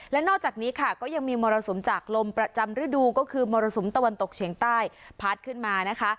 และนอกจากนี้ค่ะก็ยังมีมรสุมจากลมประจำฤดูก็คือมรสุมตะวันตกเฉียงใต้พัดขึ้นมานะคะ